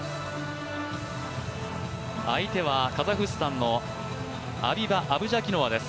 相手はカザフスタンのアビバ・アブジャキノワです。